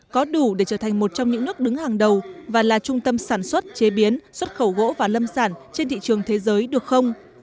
có đủ để trở thành một trong những nước đứng hàng đầu và là trung tâm sản xuất chế biến xuất khẩu gỗ và lâm sản trên thị trường thế giới được không